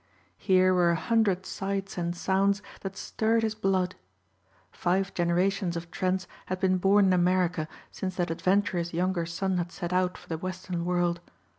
Here were a hundred sights and sounds that stirred his blood. Five generations of Trents had been born in America since that adventurous younger son had set out for the Western world.